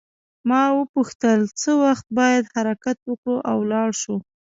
ما وپوښتل څه وخت باید حرکت وکړو او ولاړ شو.